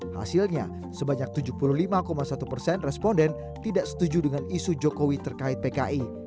hasilnya sebanyak tujuh puluh lima satu persen responden tidak setuju dengan isu jokowi terkait pki